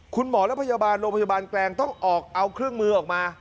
คุณหมอและพยาบาลโรงพยาบาลแกลงต้องออกเอาเครื่องมือออกมา